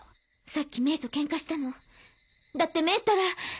さっきメイとケンカしたのだってメイったら。